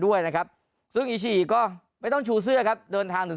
ด้วยนะครับซึ่งอีชีก็ไม่ต้องชูเสื้อครับเดินทางถึง